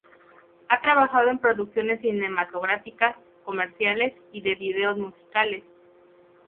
Ha trabajado en producciones cinematográficas, comerciales y de videos musicales.